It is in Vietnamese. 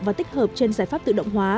và tích hợp trên giải pháp tự động hóa